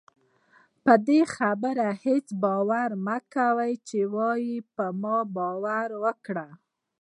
پدې خبره هېڅ باور مکوئ چې وايي په ما باور وکړه